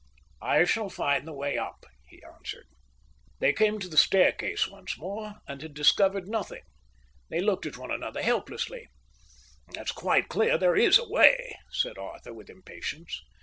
"I shall find the way up," he answered. They came to the staircase once more and had discovered nothing. They looked at one another helplessly. "It's quite clear there is a way," said Arthur, with impatience.